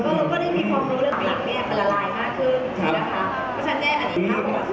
เพราะฉะนั้นอันนี้